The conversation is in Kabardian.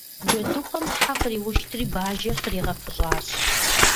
Джэдыхъуэм хьэ къриуштри Бажэр къригъэфыщӀащ.